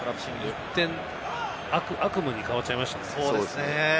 一転、悪夢に変わっちゃいましたね。